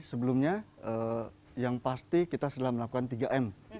sebelumnya yang pasti kita sudah melakukan tiga m